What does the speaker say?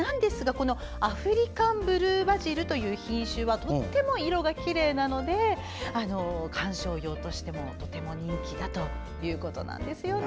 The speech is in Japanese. アフリカンブルーバジルという品種はとても色がきれいなので観賞用として人気だということなんです。